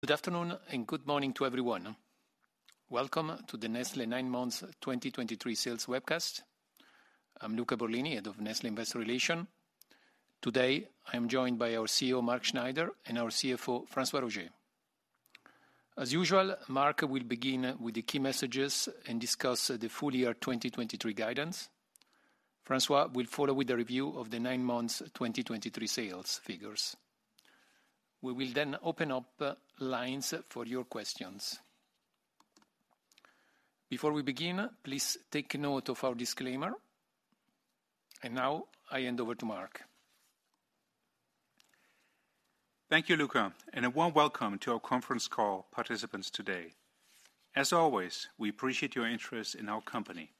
Good afternoon and good morning to everyone. Welcome to the Nestlé Nine Months 2023 Sales Webcast. I'm Luca Borlini, head of Nestlé Investor Relations. Today, I'm joined by our CEO, Mark Schneider, and our CFO, François Roger. As usual, Mark will begin with the key messages and discuss the full year 2023 guidance. François will follow with a review of the nine months 2023 sales figures. We will then open up lines for your questions. Before we begin, please take note of our disclaimer. Now, I hand over to Mark. Thank you, Luca, and a warm welcome to our conference call participants today. As always, we appreciate your interest in our company.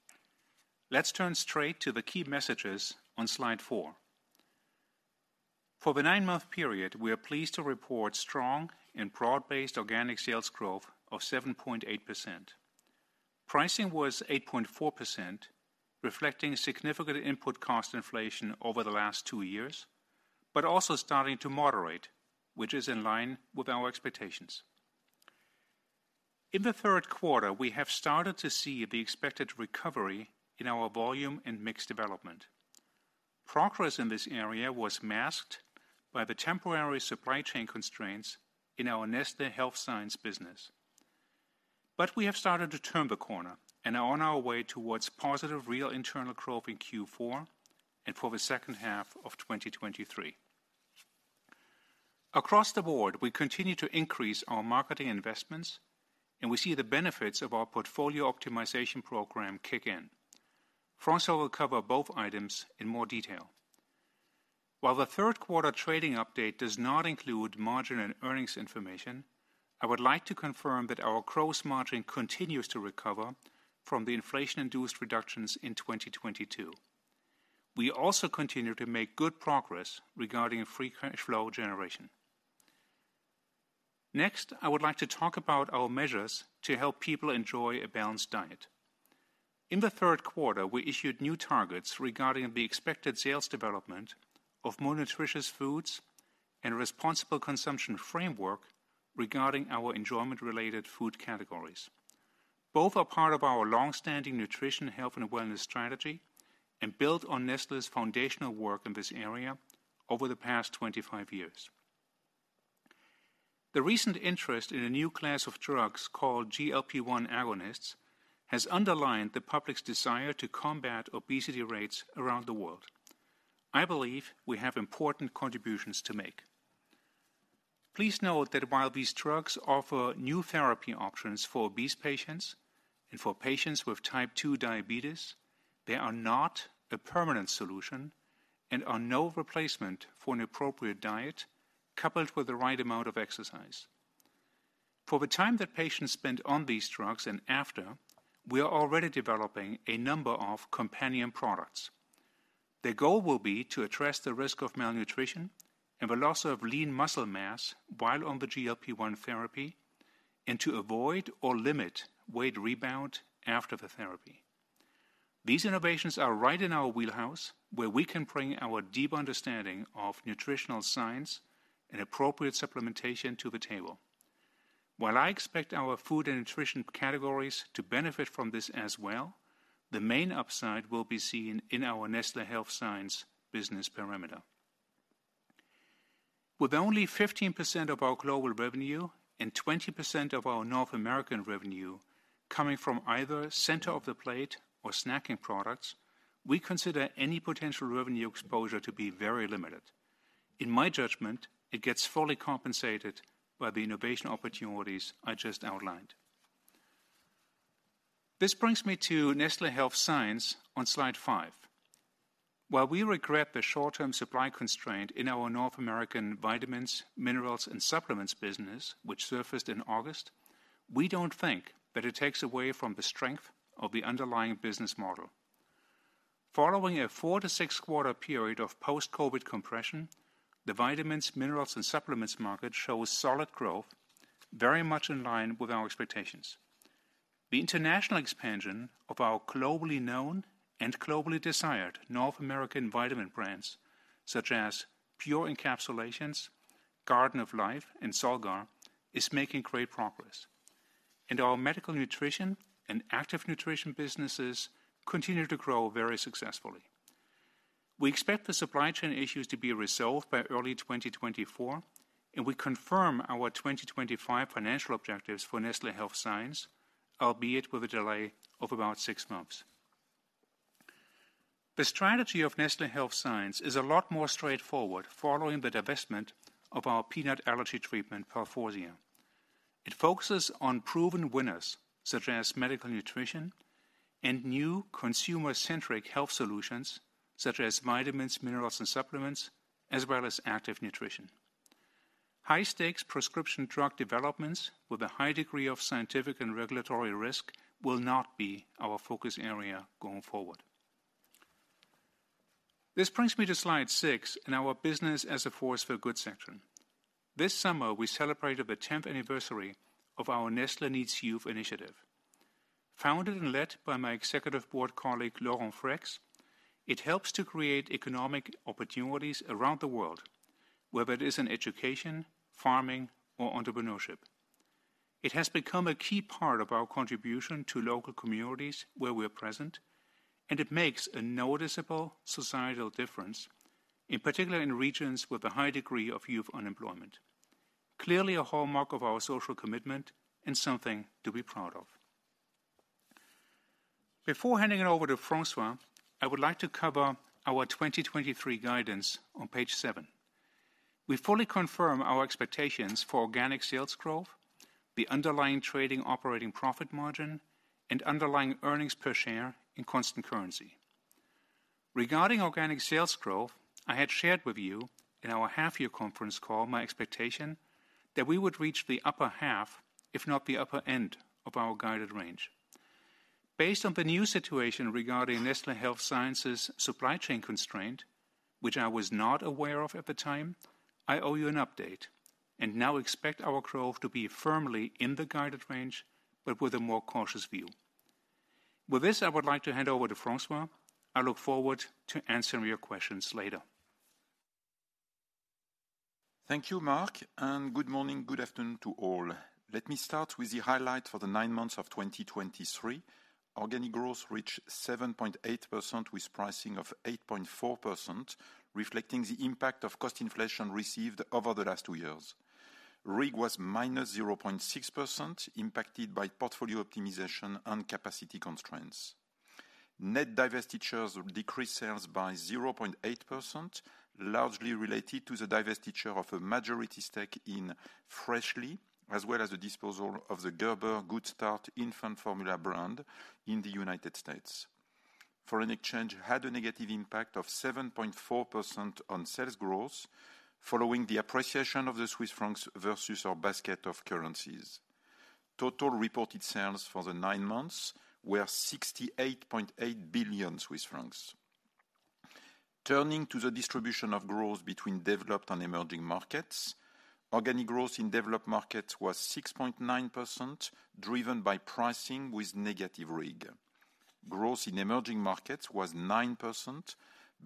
Let's turn straight to the key messages on slide four. For the nine-month period, we are pleased to report strong and broad-based organic sales growth of 7.8%. Pricing was 8.4%, reflecting significant input cost inflation over the last two years, but also starting to moderate, which is in line with our expectations. In the third quarter, we have started to see the expected recovery in our volume and mix development. Progress in this area was masked by the temporary supply chain constraints in our Nestlé Health Science business. But we have started to turn the corner and are on our way towards positive, real internal growth in Q4 and for the second half of 2023. Across the board, we continue to increase our marketing investments, and we see the benefits of our portfolio optimization program kick in. François will cover both items in more detail. While the third quarter trading update does not include margin and earnings information, I would like to confirm that our gross margin continues to recover from the inflation-induced reductions in 2022. We also continue to make good progress regarding free cash flow generation. Next, I would like to talk about our measures to help people enjoy a balanced diet. In the third quarter, we issued new targets regarding the expected sales development of more nutritious foods and responsible consumption framework regarding our enjoyment-related food categories. Both are part of our long-standing nutrition, health, and wellness strategy, and build on Nestlé's foundational work in this area over the past 25 years. The recent interest in a new class of drugs called GLP-1 agonists has underlined the public's desire to combat obesity rates around the world. I believe we have important contributions to make. Please note that while these drugs offer new therapy options for obese patients and for patients with type two diabetes, they are not a permanent solution and are no replacement for an appropriate diet, coupled with the right amount of exercise. For the time that patients spend on these drugs and after, we are already developing a number of companion products. The goal will be to address the risk of malnutrition and the loss of lean muscle mass while on the GLP-1 therapy, and to avoid or limit weight rebound after the therapy. These innovations are right in our wheelhouse, where we can bring our deep understanding of nutritional science and appropriate supplementation to the table. While I expect our food and nutrition categories to benefit from this as well, the main upside will be seen in our Nestlé Health Science business parameter. With only 15% of our global revenue and 20% of our North American revenue coming from either center of the plate or snacking products, we consider any potential revenue exposure to be very limited. In my judgment, it gets fully compensated by the innovation opportunities I just outlined. This brings me to Nestlé Health Science on slide five. While we regret the short-term supply constraint in our North American vitamins, minerals, and supplements business, which surfaced in August, we don't think that it takes away from the strength of the underlying business model. Following a four- to six-quarter period of post-COVID compression, the vitamins, minerals, and supplements market shows solid growth, very much in line with our expectations. The international expansion of our globally known and globally desired North American vitamin brands, such as Pure Encapsulations, Garden of Life, and Solgar, is making great progress. Our medical nutrition and active nutrition businesses continue to grow very successfully. We expect the supply chain issues to be resolved by early 2024, and we confirm our 2025 financial objectives for Nestlé Health Science, albeit with a delay of about six months. The strategy of Nestlé Health Science is a lot more straightforward following the divestment of our peanut allergy treatment, Palforzia. It focuses on proven winners, such as medical nutrition and new consumer-centric health solutions, such as vitamins, minerals, and supplements, as well as active nutrition. High-stakes prescription drug developments with a high degree of scientific and regulatory risk will not be our focus area going forward. This brings me to slide six in our business as a force for good section. This summer, we celebrated the 10th anniversary of our Nestlé needs YOUth initiative.... Founded and led by my executive board colleague, Laurent Freixe, it helps to create economic opportunities around the world, whether it is in education, farming, or entrepreneurship. It has become a key part of our contribution to local communities where we are present, and it makes a noticeable societal difference, in particular in regions with a high degree of youth unemployment. Clearly, a hallmark of our social commitment and something to be proud of. Before handing it over to François, I would like to cover our 2023 guidance on page seven. We fully confirm our expectations for organic sales growth, the underlying trading operating profit margin, and underlying earnings per share in constant currency. Regarding organic sales growth, I had shared with you in our half-year conference call, my expectation that we would reach the upper half, if not the upper end, of our guided range. Based on the new situation regarding Nestlé Health Science's supply chain constraint, which I was not aware of at the time, I owe you an update, and now expect our growth to be firmly in the guided range, but with a more cautious view. With this, I would like to hand over to François. I look forward to answering your questions later. Thank you, Mark, and good morning, good afternoon to all. Let me start with the highlight for the nine months of 2023. Organic growth reached 7.8% with pricing of 8.4%, reflecting the impact of cost inflation received over the last two years. RIG was -0.6%, impacted by portfolio optimization and capacity constraints. Net divestitures decreased sales by 0.8%, largely related to the divestiture of a majority stake in Freshly, as well as the disposal of the Gerber Good Start infant formula brand in the United States. Foreign exchange had a negative impact of 7.4% on sales growth, following the appreciation of the Swiss francs versus our basket of currencies. Total reported sales for the nine months were 68.8 billion Swiss francs. Turning to the distribution of growth between developed and emerging markets, organic growth in developed markets was 6.9%, driven by pricing with negative RIG. Growth in emerging markets was 9%,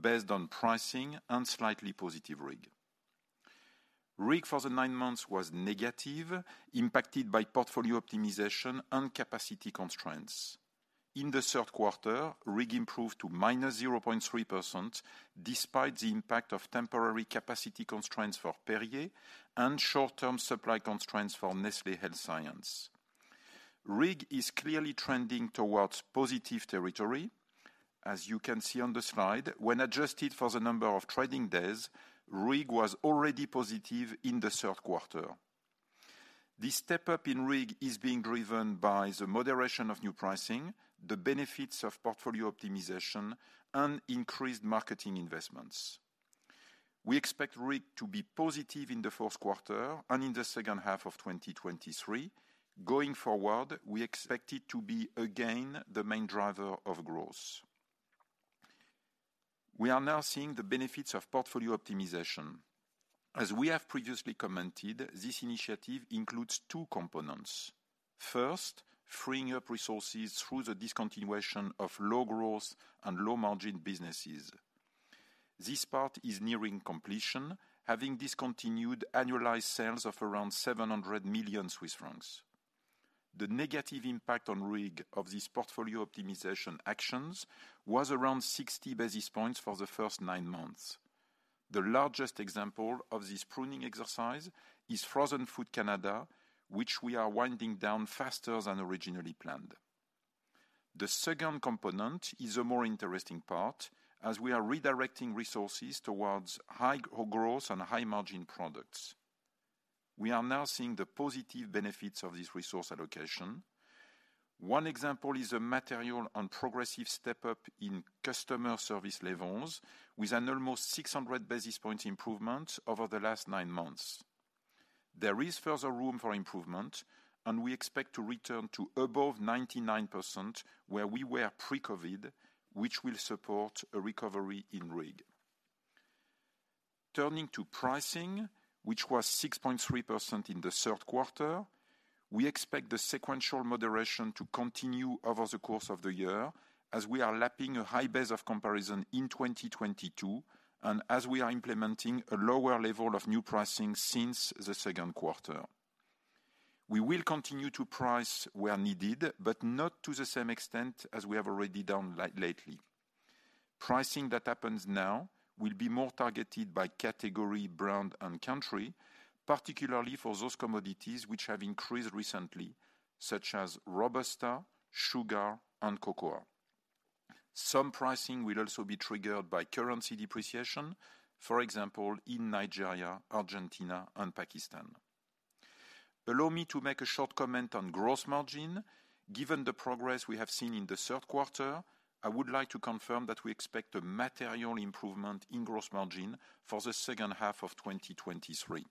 based on pricing and slightly positive RIG. RIG for the nine months was negative, impacted by portfolio optimization and capacity constraints. In the third quarter, RIG improved to -0.3%, despite the impact of temporary capacity constraints for Perrier and short-term supply constraints for Nestlé Health Science. RIG is clearly trending towards positive territory. As you can see on the slide, when adjusted for the number of trading days, RIG was already positive in the third quarter. This step-up in RIG is being driven by the moderation of new pricing, the benefits of portfolio optimization, and increased marketing investments. We expect RIG to be positive in the first quarter and in the second half of 2023. Going forward, we expect it to be, again, the main driver of growth. We are now seeing the benefits of portfolio optimization. As we have previously commented, this initiative includes two components. First, freeing up resources through the discontinuation of low growth and low margin businesses. This part is nearing completion, having discontinued annualized sales of around 700 million Swiss francs. The negative impact on RIG of this portfolio optimization actions was around 60 basis points for the first nine months. The largest example of this pruning exercise is Frozen Food Canada, which we are winding down faster than originally planned. The second component is a more interesting part, as we are redirecting resources towards high growth and high-margin products. We are now seeing the positive benefits of this resource allocation. One example is a material and progressive step-up in customer service levels, with an almost 600 basis point improvement over the last nine months. There is further room for improvement, and we expect to return to above 99%, where we were pre-COVID, which will support a recovery in RIG. Turning to pricing, which was 6.3% in the third quarter, we expect the sequential moderation to continue over the course of the year, as we are lapping a high base of comparison in 2022, and as we are implementing a lower level of new pricing since the second quarter. We will continue to price where needed, but not to the same extent as we have already done lately. Pricing that happens now will be more targeted by category, brand, and country, particularly for those commodities which have increased recently, such as Robusta, sugar, and cocoa. Some pricing will also be triggered by currency depreciation, for example, in Nigeria, Argentina, and Pakistan. Allow me to make a short comment on gross margin. Given the progress we have seen in the third quarter, I would like to confirm that we expect a material improvement in gross margin for the second half of 2023.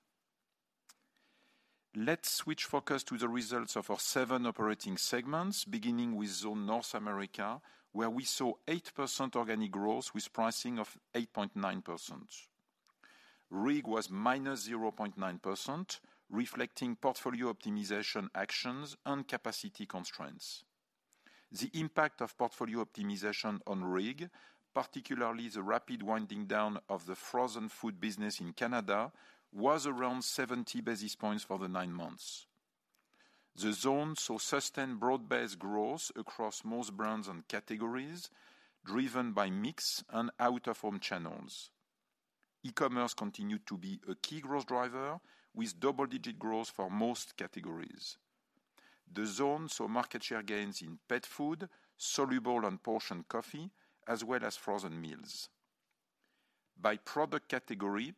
Let's switch focus to the results of our seven operating segments, beginning with Zone North America, where we saw 8% organic growth with pricing of 8.9%.... RIG was -0.9%, reflecting portfolio optimization actions and capacity constraints. The impact of portfolio optimization on RIG, particularly the rapid winding down of the frozen food business in Canada, was around 70 basis points for the nine months. The Zone saw sustained broad-based growth across most brands and categories, driven by mix and out-of-home channels. e-commerce continued to be a key growth driver, with double-digit growth for most categories. The Zone saw market share gains in pet food, soluble and portioned coffee, as well as frozen meals. By product category,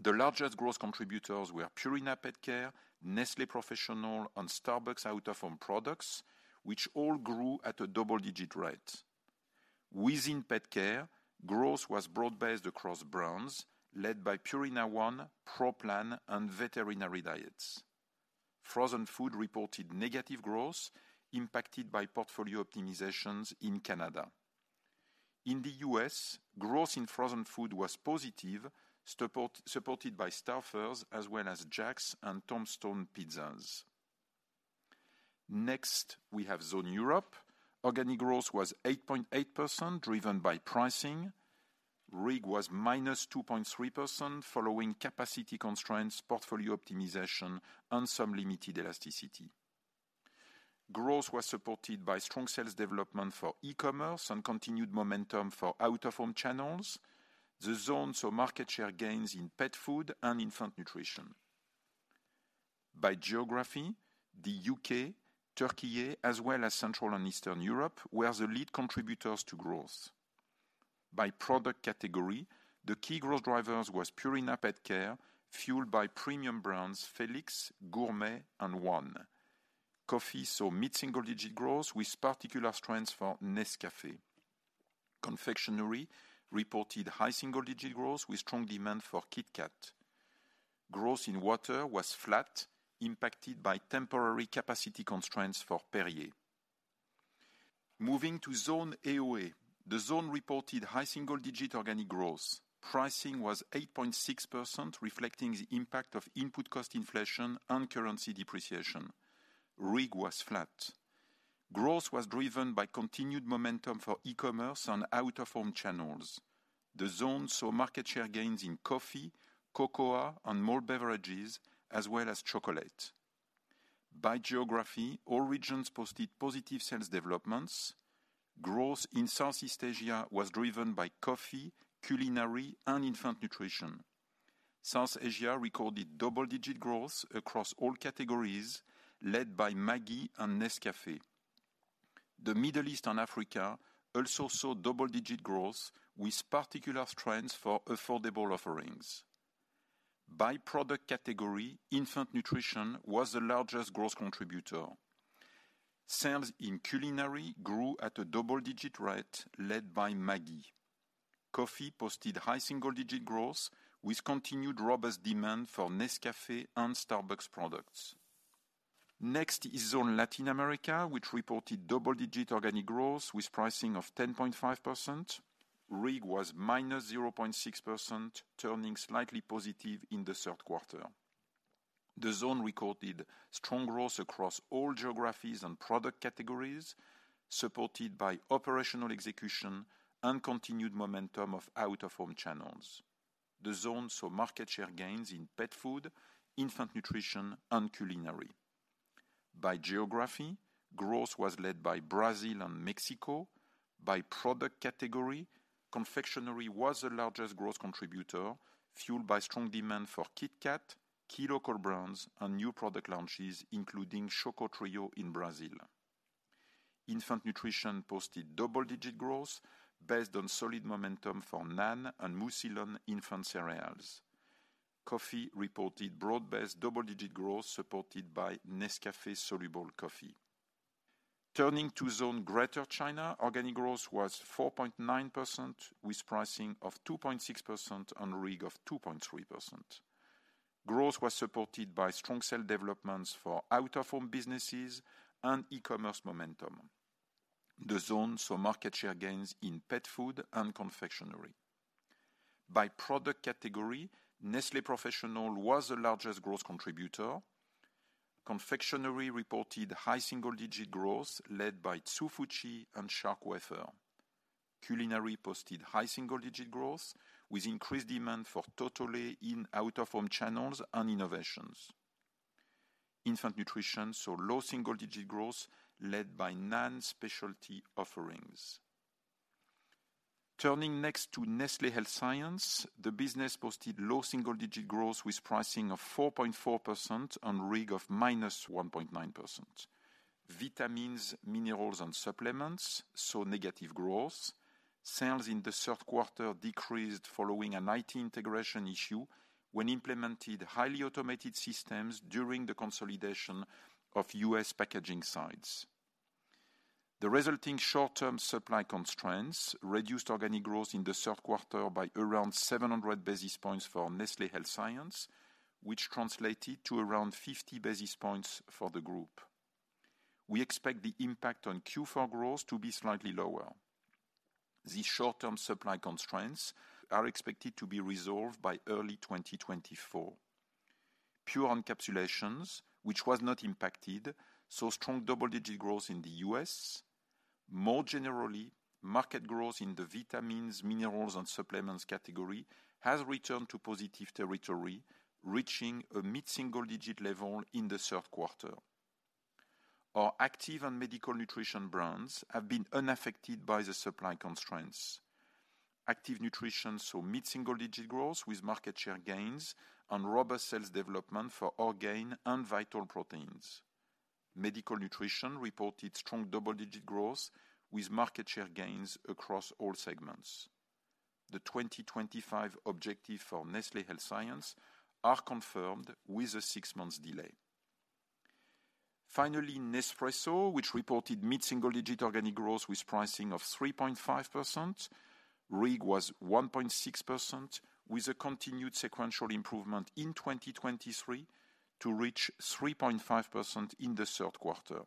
the largest growth contributors were Purina Pet Care, Nestlé Professional, and Starbucks Out of Home products, which all grew at a double-digit rate. Within pet care, growth was broad-based across brands led by Purina ONE, Pro Plan, and Veterinary Diets. Frozen food reported negative growth, impacted by portfolio optimizations in Canada. In the U.S., growth in frozen food was positive, supported by Stouffer's, as well as Jack's and Tombstone Pizza. Next, we have Zone Europe. Organic growth was 8.8%, driven by pricing. RIG was -2.3%, following capacity constraints, portfolio optimization, and some limited elasticity. Growth was supported by strong sales development for e-commerce and continued momentum for out-of-home channels. The Zone saw market share gains in pet food and infant nutrition. By geography, the U.K., Turkey, as well as Central and Eastern Europe, were the lead contributors to growth. By product category, the key growth drivers was Purina Pet Care, fueled by premium brands Felix, Gourmet, and Purina ONE. Coffee saw mid-single-digit growth, with particular strengths for Nescafé. Confectionery reported high single-digit growth with strong demand for KitKat. Growth in water was flat, impacted by temporary capacity constraints for Perrier. Moving to Zone AOA, the Zone reported high single-digit organic growth. Pricing was 8.6%, reflecting the impact of input cost inflation and currency depreciation. RIG was flat. Growth was driven by continued momentum for e-commerce and out-of-home channels. The Zone saw market share gains in coffee, cocoa, and more beverages, as well as chocolate. By geography, all regions posted positive sales developments. Growth in Southeast Asia was driven by coffee, culinary, and infant nutrition. South Asia recorded double-digit growth across all categories, led by Maggi and Nescafé. The Middle East and Africa also saw double-digit growth, with particular strengths for affordable offerings. By product category, infant nutrition was the largest growth contributor. Sales in culinary grew at a double-digit rate, led by Maggi. Coffee posted high single-digit growth, with continued robust demand for Nescafé and Starbucks products. Next is Zone Latin America, which reported double-digit organic growth with pricing of 10.5%. RIG was -0.6%, turning slightly positive in the third quarter. The Zone recorded strong growth across all geographies and product categories, supported by operational execution and continued momentum of out-of-home channels. The Zone saw market share gains in pet food, infant nutrition, and culinary. By geography, growth was led by Brazil and Mexico. By product category, confectionery was the largest growth contributor, fueled by strong demand for KitKat, key local brands, and new product launches, including Choco Trio in Brazil. Infant nutrition posted double-digit growth based on solid momentum for NAN and Mucilon infant cereals. Coffee reported broad-based double-digit growth, supported by Nescafé soluble coffee. Turning to Zone Greater China, organic growth was 4.9%, with pricing of 2.6% and RIG of 2.3%. Growth was supported by strong sales developments for out-of-home businesses and e-commerce momentum. The Zone saw market share gains in pet food and confectionery. By product category, Nestlé Professional was the largest growth contributor. Confectionery reported high single-digit growth, led by Hsu Fu Chi and Shark Wafer. Culinary posted high single-digit growth, with increased demand for Totole in out-of-home channels and innovations. Infant nutrition saw low single-digit growth led by NAN specialty offerings. Turning next to Nestlé Health Science, the business posted low single-digit growth with pricing of 4.4% and RIG of -1.9%. Vitamins, minerals, and supplements saw negative growth. Sales in the third quarter decreased following an IT integration issue when implemented highly automated systems during the consolidation of U.S. packaging sites. The resulting short-term supply constraints reduced organic growth in the third quarter by around 700 basis points for Nestlé Health Science, which translated to around 50 basis points for the group. We expect the impact on Q4 growth to be slightly lower. These short-term supply constraints are expected to be resolved by early 2024. Pure Encapsulations, which was not impacted, saw strong double-digit growth in the U.S. More generally, market growth in the vitamins, minerals, and supplements category has returned to positive territory, reaching a mid-single-digit level in the third quarter. Our active and medical nutrition brands have been unaffected by the supply constraints. Active nutrition saw mid-single-digit growth with market share gains and robust sales development for Orgain and Vital Proteins. Medical nutrition reported strong double-digit growth with market share gains across all segments. The 2025 objective for Nestlé Health Science are confirmed with a six-month delay. Finally, Nespresso, which reported mid-single digit organic growth with pricing of 3.5%, RIG was 1.6%, with a continued sequential improvement in 2023 to reach 3.5% in the third quarter.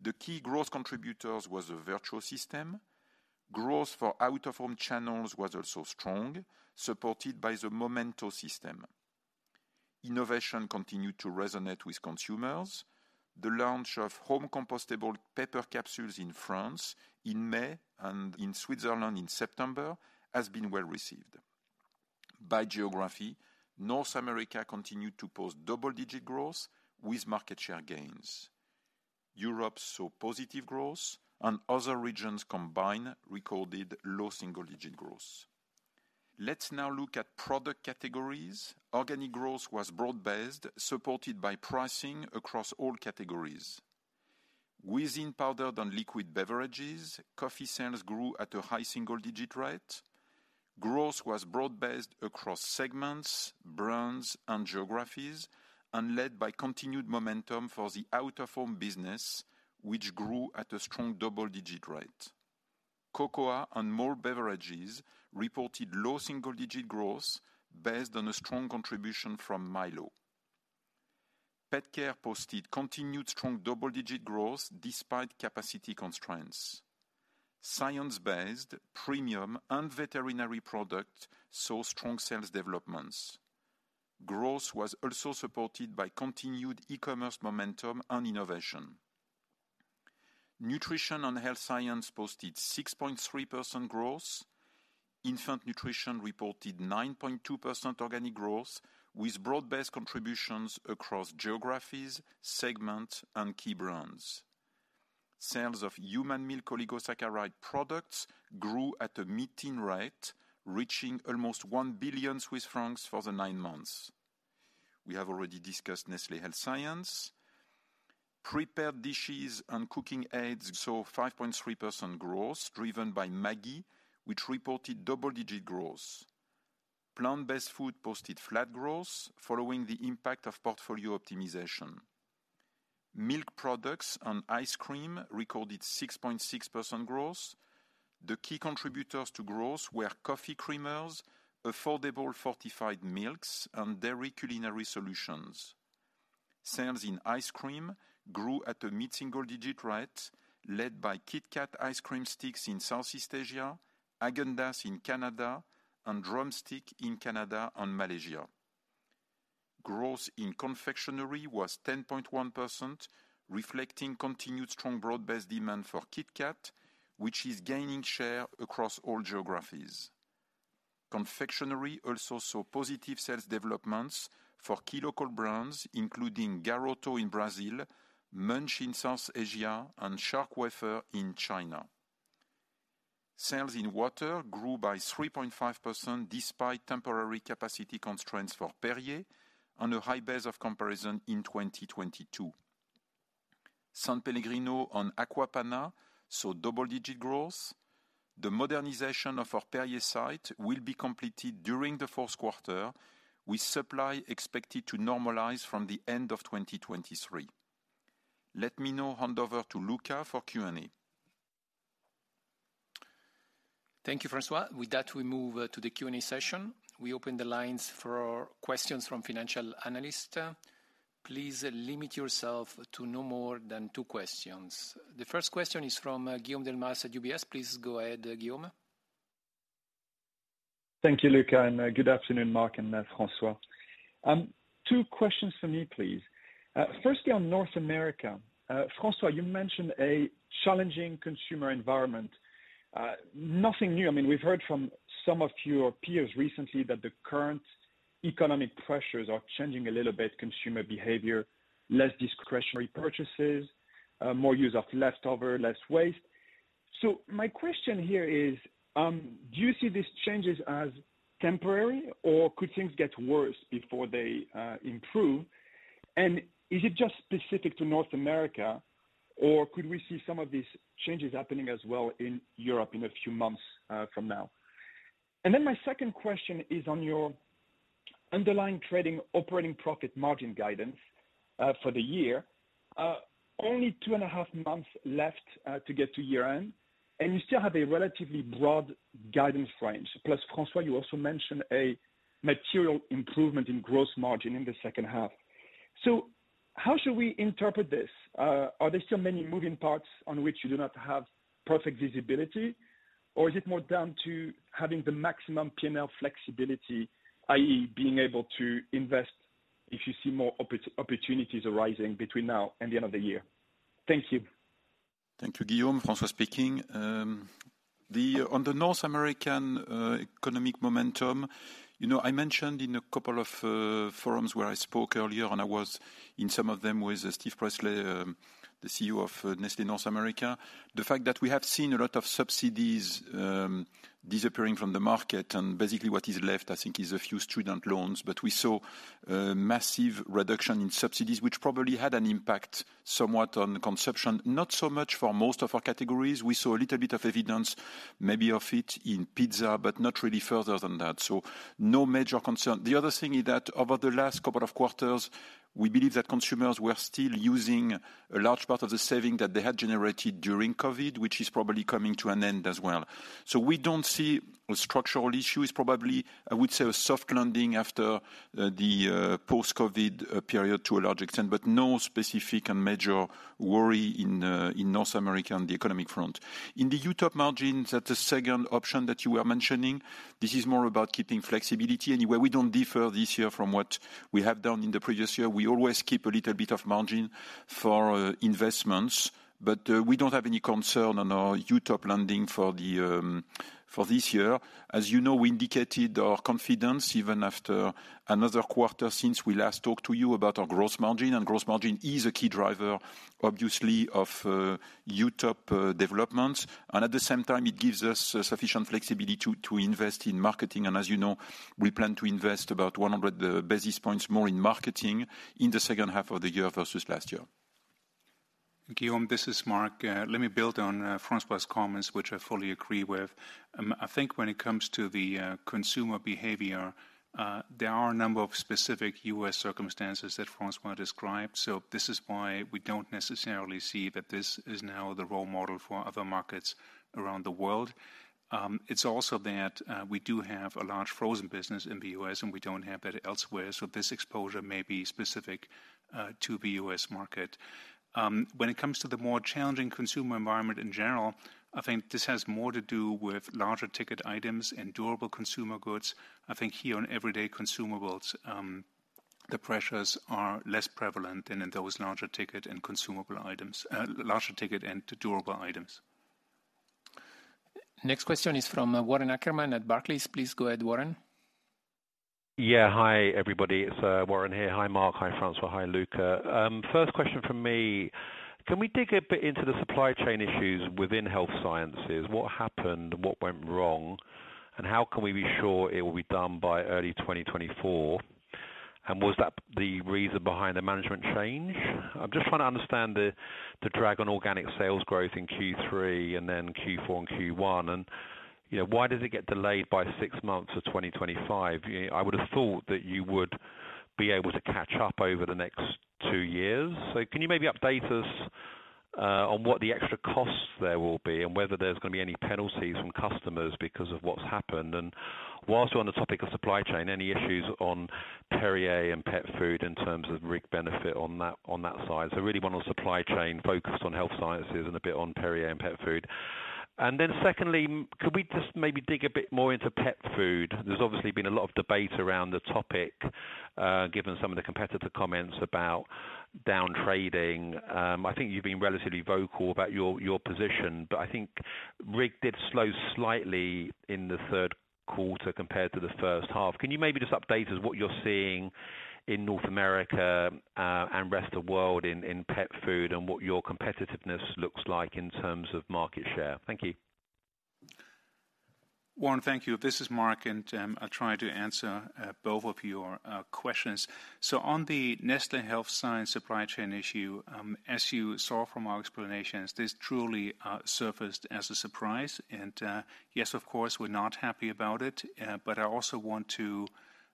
The key growth contributors was the Vertuo system. Growth for out-of-home channels was also strong, supported by the Momento system. Innovation continued to resonate with consumers. The launch of home compostable paper capsules in France in May and in Switzerland in September, has been well received. By geography, North America continued to post double-digit growth with market share gains. Europe saw positive growth and other regions combined recorded low single-digit growth. Let's now look at product categories. Organic growth was broad-based, supported by pricing across all categories. Within powdered and liquid beverages, coffee sales grew at a high single-digit rate. Growth was broad-based across segments, brands, and geographies, and led by continued momentum for the out-of-home business, which grew at a strong double-digit rate. Cocoa and milk beverages reported low single-digit growth based on a strong contribution from Milo. Pet Care posted continued strong double-digit growth despite capacity constraints. Science-based, premium, and veterinary products saw strong sales developments. Growth was also supported by continued e-commerce momentum and innovation. Nutrition and health science posted 6.3% growth. Infant nutrition reported 9.2% organic growth, with broad-based contributions across geographies, segments, and key brands. Sales of human milk oligosaccharide products grew at a mid-teen rate, reaching almost 1 billion Swiss francs for the nine months. We have already discussed Nestlé Health Science. Prepared dishes and cooking aids saw 5.3% growth, driven by Maggi, which reported double-digit growth. Plant-based food posted flat growth following the impact of portfolio optimization. Milk products and ice cream recorded 6.6% growth. The key contributors to growth were coffee creamers, affordable fortified milks, and dairy culinary solutions. Sales in ice cream grew at a mid-single digit rate, led by KitKat ice cream sticks in Southeast Asia, Häagen-Dazs in Canada, and Drumstick in Canada and Malaysia. Growth in confectionery was 10.1%, reflecting continued strong broad-based demand for KitKat, which is gaining share across all geographies. Confectionery also saw positive sales developments for key local brands, including Garoto in Brazil, Munch in South Asia, and Shark Wafer in China. Sales in water grew by 3.5%, despite temporary capacity constraints for Perrier on a high base of comparison in 2022. San Pellegrino and Acqua Panna saw double-digit growth. The modernization of our Perrier site will be completed during the fourth quarter, with supply expected to normalize from the end of 2023. Let me now hand over to Luca for Q&A. Thank you, François. With that, we move to the Q&A session. We open the lines for questions from financial analysts. Please limit yourself to no more than two questions. The first question is from Guillaume Delmas at UBS. Please go ahead, Guillaume. Thank you, Luca, and good afternoon, Mark and François. Two questions for me, please. Firstly, on North America, François, you mentioned a challenging consumer environment. Nothing new. I mean, we've heard from some of your peers recently that the current economic pressures are changing a little bit consumer behavior, less discretionary purchases, more use of leftover, less waste. So my question here is, do you see these changes as temporary, or could things get worse before they improve? And is it just specific to North America, or could we see some of these changes happening as well in Europe in a few months from now? And then my second question is on your underlying trading operating profit margin guidance for the year. Only two and a half months left to get to year-end, and you still have a relatively broad guidance range. Plus, François, you also mentioned a material improvement in gross margin in the second half. So how should we interpret this? Are there still many moving parts on which you do not have perfect visibility? Or is it more down to having the maximum P&L flexibility, i.e., being able to invest if you see more opportunities arising between now and the end of the year? Thank you. Thank you, Guillaume. François speaking. On the North American economic momentum, you know, I mentioned in a couple of forums where I spoke earlier, and I was in some of them with Steve Presley, the CEO of Nestlé North America. The fact that we have seen a lot of subsidies disappearing from the market, and basically what is left, I think, is a few student loans. But we saw a massive reduction in subsidies, which probably had an impact somewhat on consumption, not so much for most of our categories. We saw a little bit of evidence, maybe of it in pizza, but not really further than that, so no major concern. The other thing is that over the last couple of quarters, we believe that consumers were still using a large part of the saving that they had generated during COVID, which is probably coming to an end as well. So we don't see structural issues, probably, I would say, a soft landing after the post-COVID period to a large extent, but no specific and major worry in North America on the economic front. In the UTOP margins, that the second option that you were mentioning, this is more about keeping flexibility. Anyway, we don't differ this year from what we have done in the previous year. We always keep a little bit of margin for investments, but we don't have any concern on our UTOP landing for the, for this year. As you know, we indicated our confidence even after another quarter since we last talked to you about our gross margin, and gross margin is a key driver, obviously, of UTOP developments. At the same time, it gives us sufficient flexibility to invest in marketing. As you know, we plan to invest about 100 basis points more in marketing in the second half of the year versus last year. Guillaume, this is Mark. Let me build on François's comments, which I fully agree with. I think when it comes to the consumer behavior, there are a number of specific U.S. circumstances that François described. So this is why we don't necessarily see that this is now the role model for other markets around the world. It's also that we do have a large frozen business in the U.S., and we don't have that elsewhere, so this exposure may be specific to the U.S. market. When it comes to the more challenging consumer environment in general, I think this has more to do with larger ticket items and durable consumer goods. I think here on everyday consumables, the pressures are less prevalent than in those larger ticket and consumable items, larger ticket and to durable items. Next question is from Warren Ackerman at Barclays. Please go ahead, Warren. Yeah. Hi, everybody. It's, Warren here. Hi, Mark. Hi, François. Hi, Luca. First question from me: Can we dig a bit into the supply chain issues within health sciences? What happened, what went wrong, and how can we be sure it will be done by early 2024? And was that the reason behind the management change? I'm just trying to understand the drag on organic sales growth in Q3 and then Q4 and Q1, and, you know, why does it get delayed by six months to 2025? I would have thought that you would be able to catch up over the next two years. So can you maybe update us, on what the extra costs there will be and whether there's going to be any penalties from customers because of what's happened? While we're on the topic of supply chain, any issues on Perrier and pet food in terms of RIG benefit on that, on that side? I really want a supply chain focused on health sciences and a bit on Perrier and pet food. Then secondly, could we just maybe dig a bit more into pet food? There's obviously been a lot of debate around the topic, given some of the competitor comments about down trading. I think you've been relatively vocal about your position, but I think RIG did slow slightly in the third quarter compared to the first half. Can you maybe just update us what you're seeing in North America and rest of world in pet food, and what your competitiveness looks like in terms of market share? Thank you. Warren, thank you. This is Mark, and I'll try to answer both of your questions. So on the Nestlé Health Science supply chain issue, as you saw from our explanations, this truly surfaced as a surprise. And yes, of course, we're not happy about it, but I also want to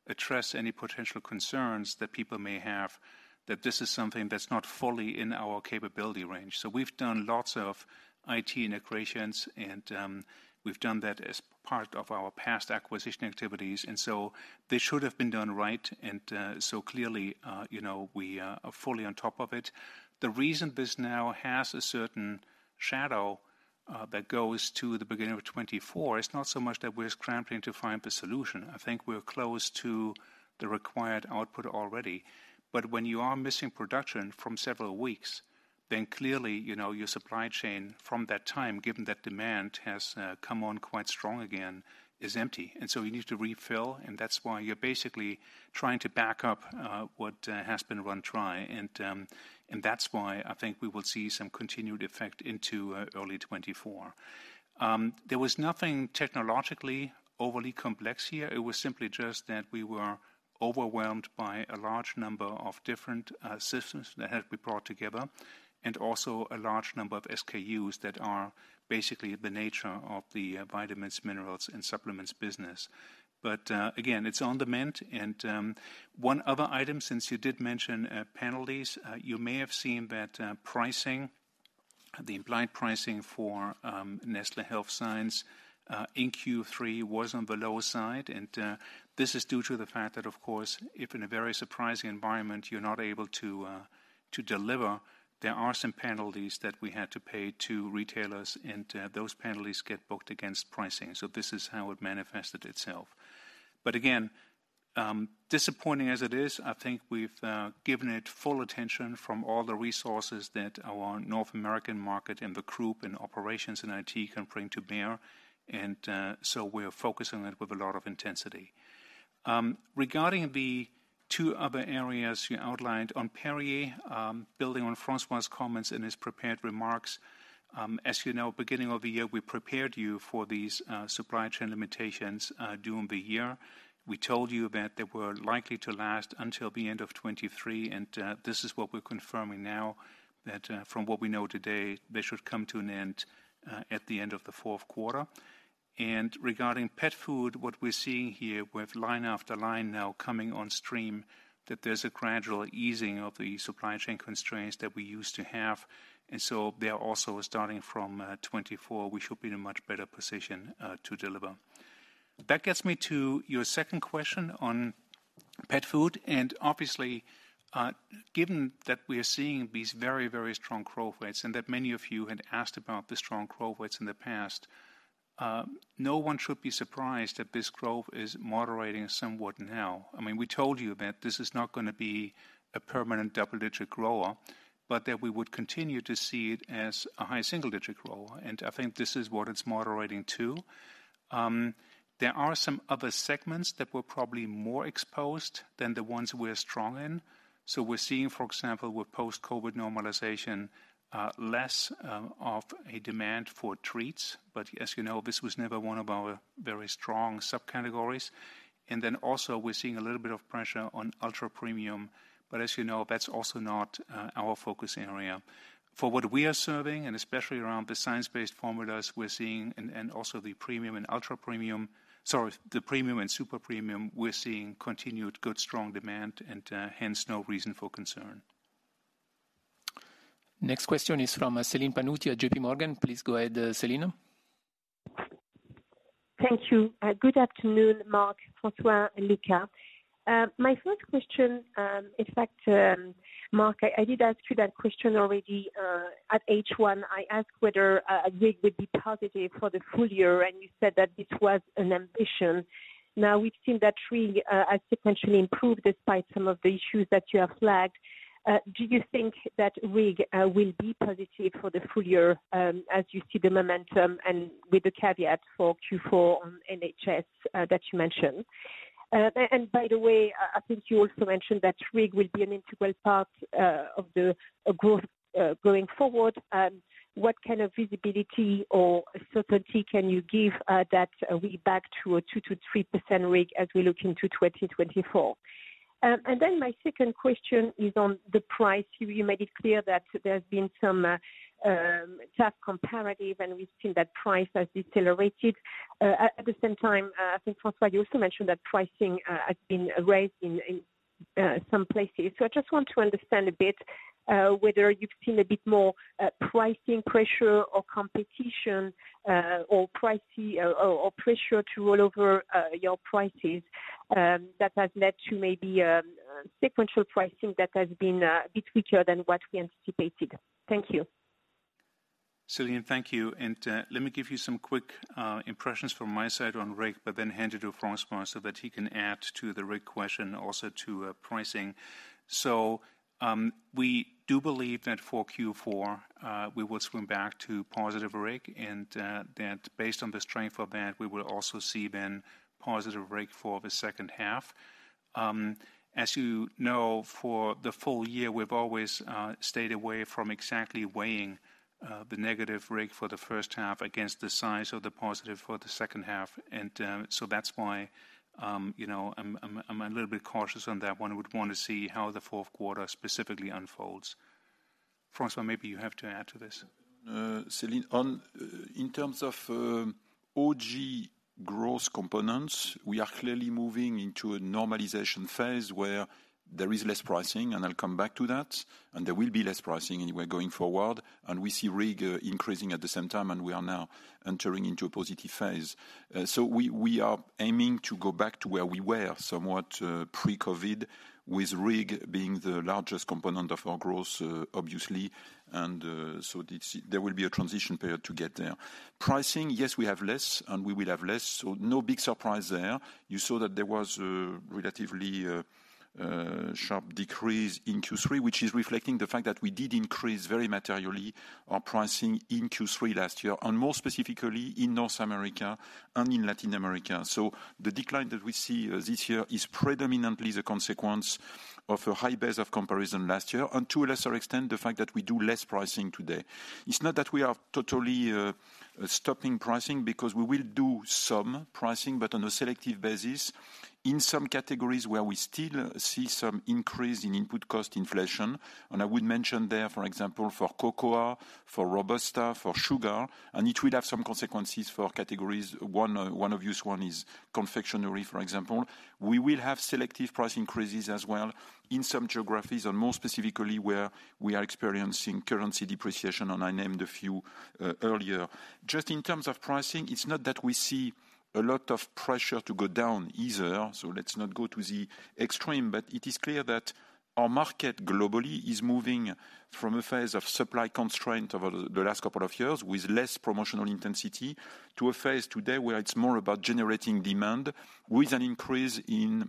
address any potential concerns that people may have that this is something that's not fully in our capability range. So we've done lots of IT integrations, and we've done that as part of our past acquisition activities, and so they should have been done right, and so clearly, you know, we are fully on top of it. The reason this now has a certain shadow that goes to the beginning of 2024, it's not so much that we're scrambling to find the solution. I think we're close to the required output already. But when you are missing production from several weeks, then clearly, you know, your supply chain from that time, given that demand has come on quite strong again, is empty, and so you need to refill, and that's why you're basically trying to back up what has been run dry. And that's why I think we will see some continued effect into early 2024. There was nothing technologically overly complex here. It was simply just that we were overwhelmed by a large number of different systems that had been brought together, and also a large number of SKUs that are basically the nature of the vitamins, minerals, and supplements business. But again, it's on demand. And, one other item, since you did mention penalties, you may have seen that the implied pricing for Nestlé Health Science in Q3 was on the lower side, and this is due to the fact that, of course, if in a very surprising environment, you're not able to deliver, there are some penalties that we had to pay to retailers, and those penalties get booked against pricing. So this is how it manifested itself. But again, disappointing as it is, I think we've given it full attention from all the resources that our North American market, and the group, and operations, and IT can bring to bear, and so we're focusing it with a lot of intensity. Regarding the two other areas you outlined on Perrier, building on François's comments and his prepared remarks. As you know, beginning of the year, we prepared you for these supply chain limitations during the year. We told you that they were likely to last until the end of 2023, and this is what we're confirming now, that from what we know today, they should come to an end at the end of the fourth quarter. Regarding pet food, what we're seeing here with line after line now coming on stream, that there's a gradual easing of the supply chain constraints that we used to have. So they are also starting from 2024, we should be in a much better position to deliver. That gets me to your second question on pet food, and obviously, given that we are seeing these very, very strong growth rates and that many of you had asked about the strong growth rates in the past, no one should be surprised that this growth is moderating somewhat now. I mean, we told you that this is not gonna be a permanent double-digit grower, but that we would continue to see it as a high single-digit grower, and I think this is what it's moderating to. There are some other segments that were probably more exposed than the ones we're strong in. So we're seeing, for example, with post-COVID normalization, less of a demand for treats. But as you know, this was never one of our very strong subcategories. And then also, we're seeing a little bit of pressure on ultra-premium, but as you know, that's also not our focus area. For what we are serving, and especially around the science-based formulas we're seeing and, and also the premium and ultra-premium, sorry, the premium and super premium, we're seeing continued good, strong demand and hence no reason for concern. Next question is from Celine Pannuti at JPMorgan. Please go ahead, Celine. Thank you. Good afternoon, Mark, François, and Luca. My first question, in fact, Mark, I did ask you that question already, at H1. I asked whether RIG would be positive for the full year, and you said that this was an ambition. Now, we've seen that really has sequentially improved despite some of the issues that you have flagged. Do you think that RIG will be positive for the full year, as you see the momentum and with the caveat for Q4 on NHS, that you mentioned? And by the way, I think you also mentioned that RIG will be an integral part of the growth going forward. What kind of visibility or certainty can you give, that are we back to a 2%-3% RIG as we look into 2024? And then my second question is on the price. You, you made it clear that there's been some, tough comparative, and we've seen that price has decelerated. At, at the same time, I think, François, you also mentioned that pricing, has been raised in, in, some places. So I just want to understand a bit, whether you've seen a bit more, pricing pressure or competition, or pricey or, or, or pressure to roll over, your prices, that has led to maybe, sequential pricing that has been, a bit weaker than what we anticipated. Thank you. Celine, thank you. And, let me give you some quick impressions from my side on RIG, but then hand it to François so that he can add to the RIG question, also to pricing. So, we do believe that for Q4, we will swing back to positive RIG and that based on the strength of that, we will also see then positive RIG for the second half. As you know, for the full year, we've always stayed away from exactly weighing the negative RIG for the first half against the size of the positive for the second half. And, so that's why, you know, I'm a little bit cautious on that one. Would want to see how the fourth quarter specifically unfolds. François, maybe you have to add to this. Celine, in terms of OG growth components, we are clearly moving into a normalization phase where there is less pricing, and I'll come back to that, and there will be less pricing anyway going forward. We see RIG increasing at the same time, and we are now entering into a positive phase. So we are aiming to go back to where we were somewhat pre-COVID, with RIG being the largest component of our growth, obviously, and there will be a transition period to get there. Pricing, yes, we have less, and we will have less, so no big surprise there. You saw that there was a relatively sharp decrease in Q3, which is reflecting the fact that we did increase very materially our pricing in Q3 last year, and more specifically in North America and in Latin America. So the decline that we see this year is predominantly the consequence of a high base of comparison last year, and to a lesser extent, the fact that we do less pricing today. It's not that we are totally stopping pricing, because we will do some pricing, but on a selective basis, in some categories where we still see some increase in input cost inflation. And I would mention there, for example, for cocoa, for Robusta, for sugar, and it will have some consequences for categories, one obvious one is confectionery, for example. We will have selective price increases as well in some geographies, and more specifically, where we are experiencing currency depreciation, and I named a few, earlier. Just in terms of pricing, it's not that we see a lot of pressure to go down either, so let's not go to the extreme. But it is clear that our market globally is moving from a phase of supply constraint over the last couple of years, with less promotional intensity, to a phase today where it's more about generating demand with an increase in-...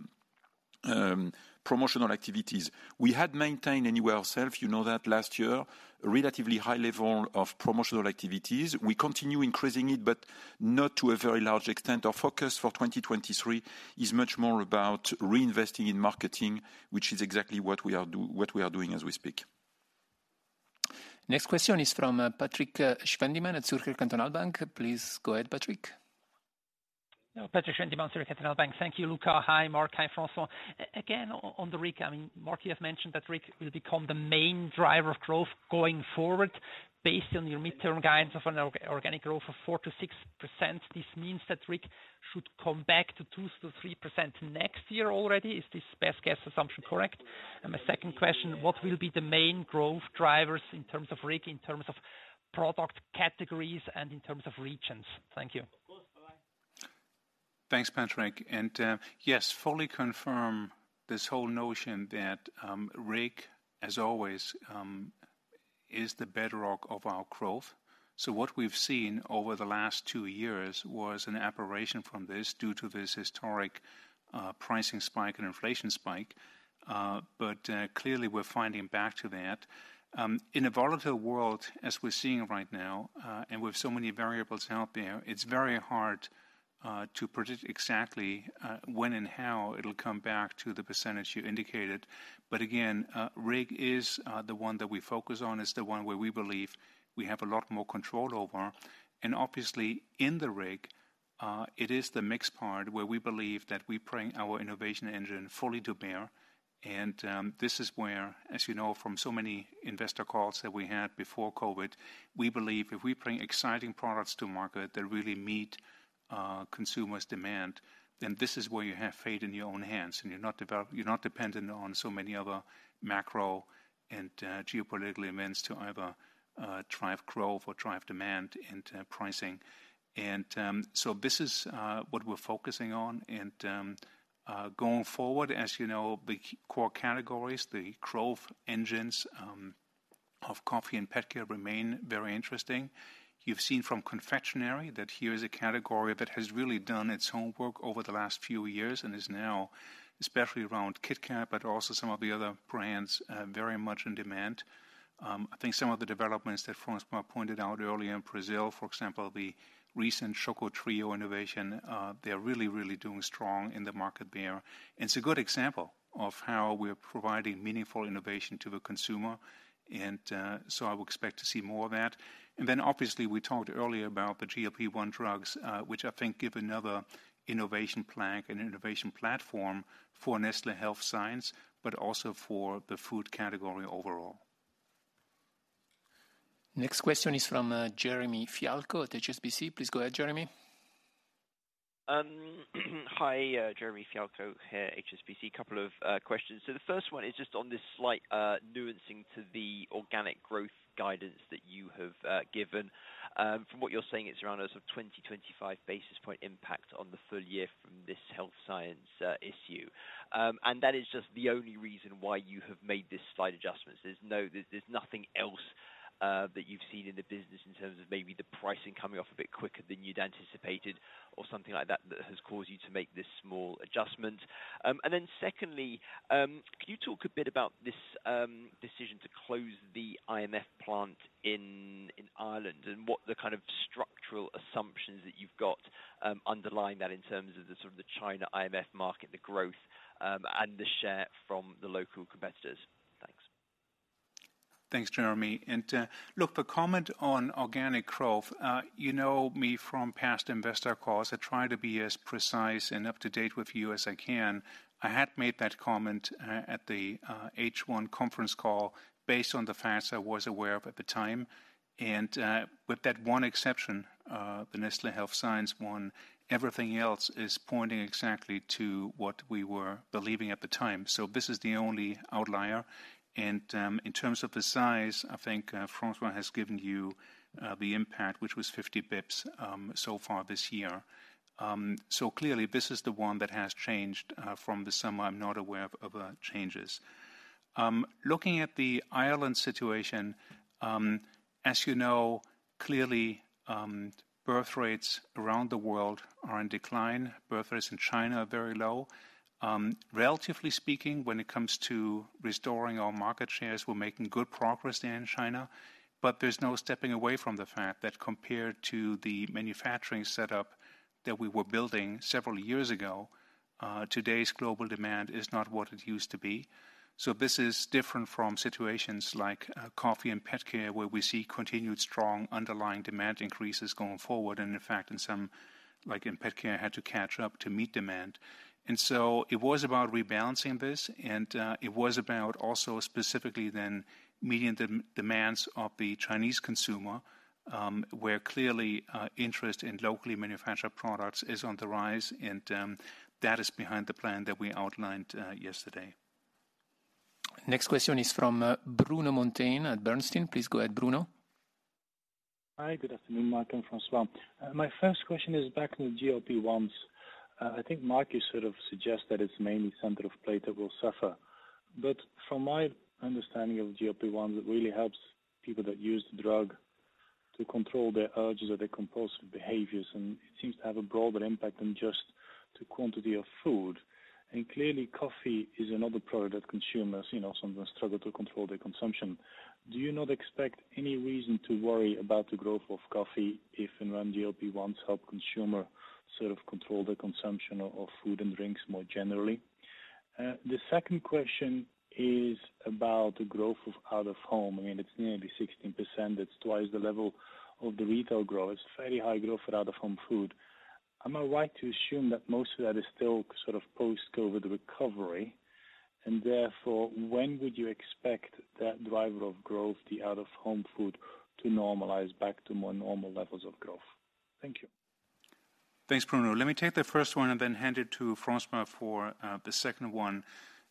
promotional activities. We had maintained anywhere ourselves, you know that last year, relatively high level of promotional activities. We continue increasing it, but not to a very large extent. Our focus for 2023 is much more about reinvesting in marketing, which is exactly what we are doing as we speak. Next question is from Patrik Schwendimann at Zürcher Kantonalbank. Please go ahead, Patrik. Patrik Schwendimann, Zürcher Kantonalbank. Thank you, Luca. Hi, Mark. Hi, François. Again, on the RIG, I mean, Mark, you have mentioned that RIG will become the main driver of growth going forward, based on your midterm guidance of an organic growth of 4%-6%. This means that RIG should come back to 2%-3% next year already. Is this best guess assumption correct? And my second question, what will be the main growth drivers in terms of RIG, in terms of product categories and in terms of regions? Thank you. Thanks, Patrick. Yes, fully confirm this whole notion that, RIG, as always, is the bedrock of our growth. So what we've seen over the last two years was an aberration from this, due to this historic, pricing spike and inflation spike. But clearly, we're finding back to that. In a volatile world, as we're seeing right now, and with so many variables out there, it's very hard to predict exactly, when and how it'll come back to the percentage you indicated. But again, RIG is the one that we focus on, is the one where we believe we have a lot more control over. And obviously, in the RIG, it is the mix part where we believe that we bring our innovation engine fully to bear. This is where, as you know, from so many investor calls that we had before COVID, we believe if we bring exciting products to market that really meet consumers' demand, then this is where you have fate in your own hands, and you're not dependent on so many other macro and geopolitical events to either drive growth or drive demand and pricing. This is what we're focusing on. Going forward, as you know, the core categories, the growth engines of coffee and pet care remain very interesting. You've seen from confectionery that here is a category that has really done its homework over the last few years and is now, especially around KitKat, but also some of the other brands, very much in demand. I think some of the developments that François pointed out earlier in Brazil, for example, the recent Choco Trio innovation, they're really, really doing strong in the market there. It's a good example of how we're providing meaningful innovation to the consumer, and, so I would expect to see more of that. And then, obviously, we talked earlier about the GLP-1 drugs, which I think give another innovation plank and innovation platform for Nestlé Health Science, but also for the food category overall. Next question is from Jeremy Fialko at HSBC. Please go ahead, Jeremy. Hi, Jeremy Fialko here, HSBC. Couple of questions. So the first one is just on this slight nuancing to the organic growth guidance that you have given. From what you're saying, it's around a sort of 20-25 basis point impact on the full year from this health science issue. That is just the only reason why you have made this slight adjustment. There's nothing else that you've seen in the business in terms of maybe the pricing coming off a bit quicker than you'd anticipated or something like that, that has caused you to make this small adjustment? And then secondly, can you talk a bit about this decision to close the IMF plant in Ireland, and what the kind of structural assumptions that you've got underlying that in terms of the sort of the China IMF market, the growth, and the share from the local competitors? Thanks. Thanks, Jeremy. Look, the comment on organic growth, you know me from past investor calls, I try to be as precise and up-to-date with you as I can. I had made that comment at the H1 conference call based on the facts I was aware of at the time. With that one exception, the Nestlé Health Science one, everything else is pointing exactly to what we were believing at the time. So this is the only outlier, and in terms of the size, I think François has given you the impact, which was 50 basis points so far this year. So clearly this is the one that has changed from the summer. I'm not aware of other changes. Looking at the Ireland situation, as you know, clearly, birth rates around the world are in decline. Birth rates in China are very low. Relatively speaking, when it comes to restoring our market shares, we're making good progress there in China, but there's no stepping away from the fact that compared to the manufacturing setup that we were building several years ago, today's global demand is not what it used to be. So this is different from situations like coffee and pet care, where we see continued strong underlying demand increases going forward. In fact, in some, like in pet care, had to catch up to meet demand. So it was about rebalancing this, and it was about also specifically then meeting the demands of the Chinese consumer, where clearly interest in locally manufactured products is on the rise, and that is behind the plan that we outlined yesterday. Next question is from Bruno Monteyne at Bernstein. Please go ahead, Bruno. Hi, good afternoon, Mark and François. My first question is back in the GLP-1s. I think, Mark, you sort of suggest that it's mainly center of plate that will suffer. But from my understanding of GLP-1, it really helps people that use the drug to control their urges or their compulsive behaviors, and it seems to have a broader impact than just the quantity of food. And clearly, coffee is another product that consumers, you know, sometimes struggle to control their consumption. Do you not expect any reason to worry about the growth of coffee if and when GLP-1s help consumer sort of control the consumption of food and drinks more generally? The second question is about the growth of out-of-home. I mean, it's nearly 16%. It's twice the level of the retail growth. It's very high growth for out-of-home food. Am I right to assume that most of that is still sort of post-COVID recovery, and therefore, when would you expect that driver of growth, the out-of-home food, to normalize back to more normal levels of growth? Thank you. Thanks, Bruno. Let me take the first one and then hand it to François for the second one.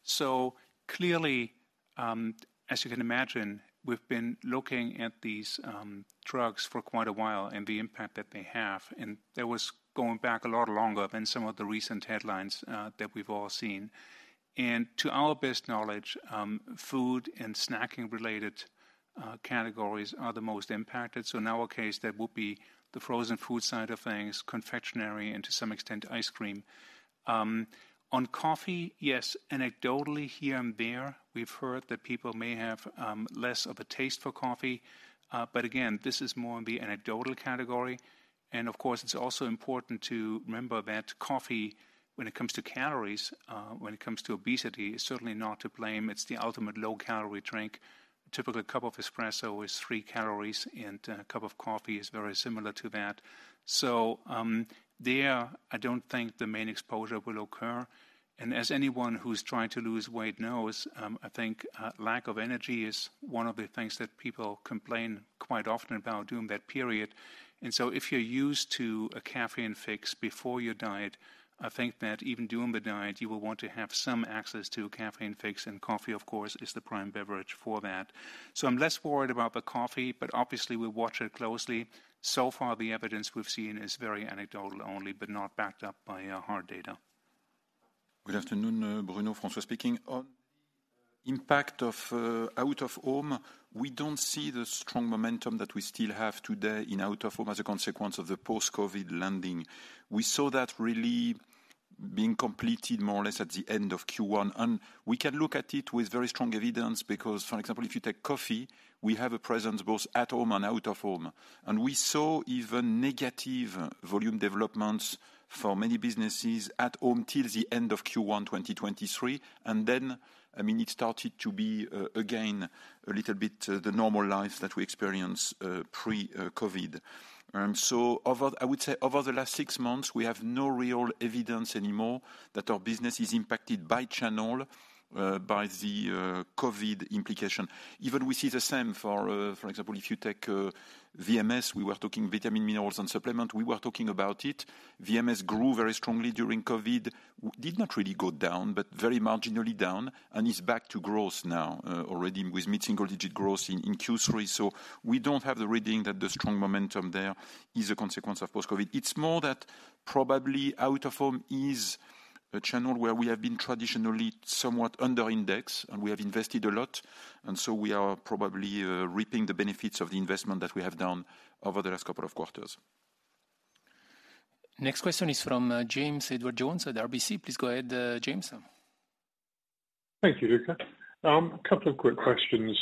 So clearly, as you can imagine, we've been looking at these drugs for quite a while and the impact that they have. And that was going back a lot longer than some of the recent headlines that we've all seen. And to our best knowledge, food and snacking-related categories are the most impacted. So in our case, that would be the frozen food side of things, confectionery, and to some extent, ice cream. On coffee, yes, anecdotally, here and there, we've heard that people may have less of a taste for coffee. But again, this is more in the anecdotal category, and of course, it's also important to remember that coffee, when it comes to calories, when it comes to obesity, is certainly not to blame. It's the ultimate low-calorie drink. A typical cup of espresso is three calories, and a cup of coffee is very similar to that. So, there, I don't think the main exposure will occur, and as anyone who's trying to lose weight knows, I think, lack of energy is one of the things that people complain quite often about during that period. And so if you're used to a caffeine fix before your diet, I think that even during the diet, you will want to have some access to a caffeine fix, and coffee, of course, is the prime beverage for that. I'm less worried about the coffee, but obviously, we'll watch it closely. So far, the evidence we've seen is very anecdotal only, but not backed up by hard data. Good afternoon, Bruno, François speaking. On impact of out-of-home, we don't see the strong momentum that we still have today in out-of-home as a consequence of the post-COVID landing. We saw that really being completed more or less at the end of Q1, and we can look at it with very strong evidence, because, for example, if you take coffee, we have a presence both at home and out-of- home. And we saw even negative volume developments for many businesses at home till the end of Q1, 2023, and then, I mean, it started to be again a little bit the normal life that we experienced pre-COVID. So over the last six months, we have no real evidence anymore that our business is impacted by channel, by the COVID implication. Even we see the same for, for example, if you take, VMS, we were talking vitamins, minerals and supplements. We were talking about it. VMS grew very strongly during COVID, did not really go down, but very marginally down, and is back to growth now, already, with mid-single-digit growth in Q3. So we don't have the reading that the strong momentum there is a consequence of post-COVID. It's more that probably out-of-home is a channel where we have been traditionally somewhat under index, and we have invested a lot, and so we are probably reaping the benefits of the investment that we have done over the last couple of quarters. Next question is from James Edwardes Jones at RBC. Please go ahead, James. Thank you, Luca. A couple of quick questions.